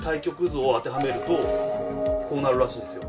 こうなるらしいですよ。